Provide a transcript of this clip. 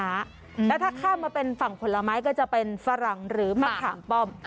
แล้วถ้าข้ามมาเป็นฝั่งผลไม้ก็จะเป็นฝรั่งหรือมะขามป้อม